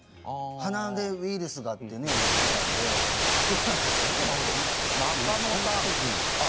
鼻でウイルスだと言っていたのでどうなんですかね。